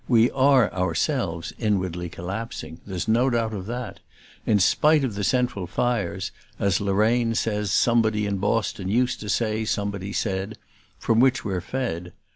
We ARE ourselves inwardly collapsing there's no doubt of that: in spite of the central fires, as Lorraine says somebody in Boston used to say somebody said, from which we're fed.